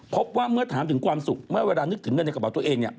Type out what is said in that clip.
พบว่าเมื่อถามถึงความสุขเมื่อเวลานึกถึงเงินในกระเป๋าตัวเองเนี่ย